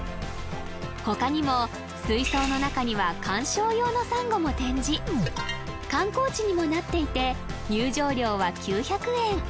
他にも水槽の中には観賞用のサンゴも展示観光地にもなっていて入場料は９００円